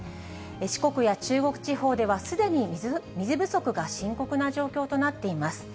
四国や中国地方ではすでに水不足が深刻な状況となっています。